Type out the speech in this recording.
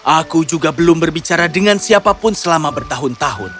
aku juga belum berbicara dengan siapapun selama bertahun tahun